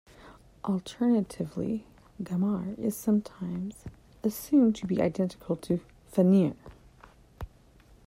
Alternatively, Garmr is sometimes assumed to be identical to Fenrir.